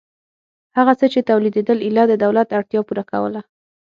هغه څه چې تولیدېدل ایله د دولت اړتیا پوره کوله